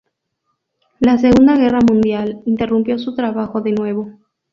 La Segunda Guerra Mundial interrumpió su trabajo de nuevo.